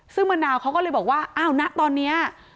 ซึ่งมะนาวเขาก็เลยบอกว่าอ้าวนะตอนนี้